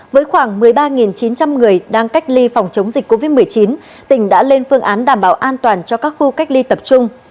với khoảng một mươi ba chín trăm linh người đang cách ly phòng chống dịch covid một mươi chín tỉnh đã lên phương án đảm bảo an toàn cho các khu cách ly tập trung